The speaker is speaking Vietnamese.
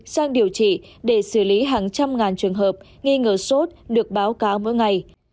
sang điều trị để xử lý hàng trăm ngàn trường hợp nghi ngờ sốt được báo cáo mỗi ngày